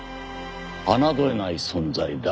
侮れない存在だ。